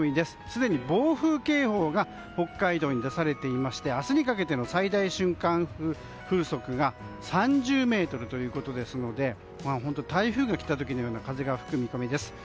すでに暴風警報が北海道に出されていまして明日にかけての最大瞬間風速が３０メートルということですので本当に台風が来た時のような風が吹く見込みです。